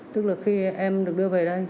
tức là khi em được đưa về đây